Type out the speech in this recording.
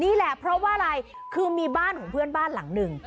นี่แหละเพราะว่าอะไรคือมีบ้านของเพื่อนบ้านหลังหนึ่ง